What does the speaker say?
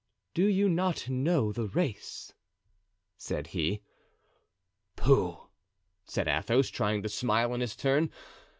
"Do you not know the race?" said he. "Pooh!" said Athos, trying to smile in his turn.